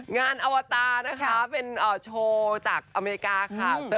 อวตานะคะเป็นโชว์จากอเมริกาค่ะ